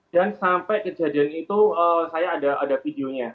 dan sampai kejadian itu saya ada videonya